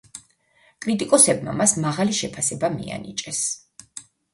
კრიტიკოსებმა მას მაღალი შეფასება მიანიჭეს.